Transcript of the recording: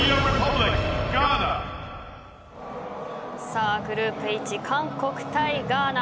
さあグループＨ韓国対ガーナ。